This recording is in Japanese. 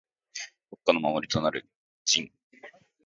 国家の守りとなる臣。